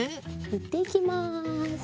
ぬっていきます。